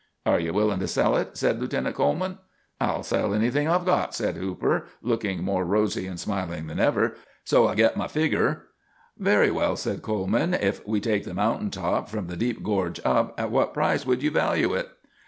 "Are you willing to sell it?" said Lieutenant Coleman. "I'll sell anything I've got," said Hooper, looking more rosy and smiling than ever, "so I git my figger." "Very well," said Coleman. "If we take the mountain top from the deep gorge up, at what price would you value it?"